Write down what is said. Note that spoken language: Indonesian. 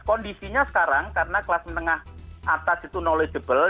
kondisinya sekarang karena kelas menengah atas itu knowledgeable